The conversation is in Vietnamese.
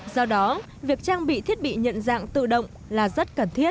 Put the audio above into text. do đó việc trang bị thiết bị nhận dạng tự động là rất cần thiết